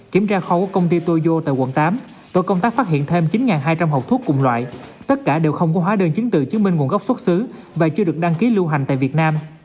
kiểm tra không có công ty toyo tại quận tám tội công tác phát hiện thêm chín hai trăm linh hộp thuốc cùng loại tất cả đều không có hóa đơn chính tự chứng minh nguồn gốc xuất xứ và chưa được đăng ký lưu hành tại việt nam